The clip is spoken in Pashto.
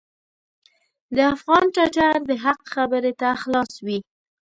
د افغان ټټر د حق خبرې ته خلاص وي.